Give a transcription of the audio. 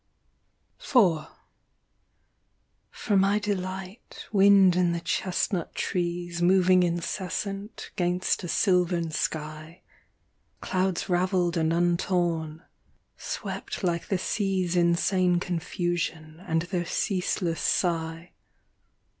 63 IRIS TREE. IV. FOR my delight, wind in the chestnut trees Moving incessant 'gainst a silvern sky ; Clouds ravelled and untorn, swept like the seas' Insane confusion, and their ceaseless sigh.